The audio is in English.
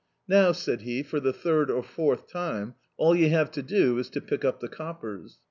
"Now," said he, for the third or fourth time, "all you have to do is to pick up the coppers.